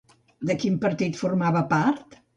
De quin partit formava part?